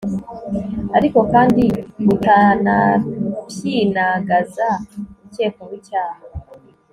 ariko kandi butanapyinagaza ukekwaho icyaha